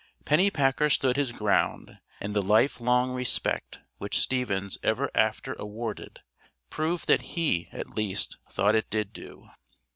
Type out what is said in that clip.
Pennypacker stood his ground, and the life long respect which Stevens ever after awarded, proved that he at least, thought it did do.